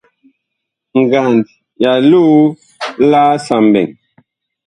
Ngand ya loo laasa mɓɛɛŋ.